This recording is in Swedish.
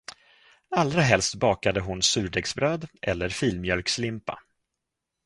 Allra helst bakade hon surdegsbröd eller filmjölkslimpa.